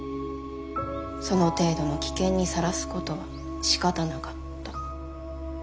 その程度の危険にさらすことはしかたなかった。